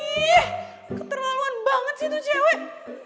ih keterneluan banget sih tuh cewek